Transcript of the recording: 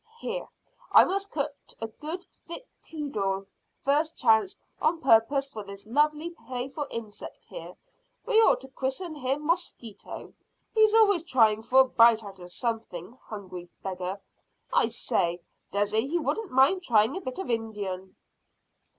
"Here, I must cut a good thick cudgel first chance on purpose for this lovely playful insect here. We ought to christen him Mosquito. He's always trying for a bite out of something hungry beggar. I say, dessay he wouldn't mind trying a bit of Indian."